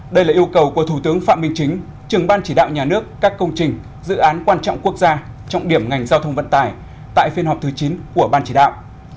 đây là yêu cầu của thủ tướng phạm minh chính trường ban chỉ đạo nhà nước các công trình dự án quan trọng quốc gia trọng điểm ngành giao thông vận tải tại phiên họp thứ chín của ban chỉ đạo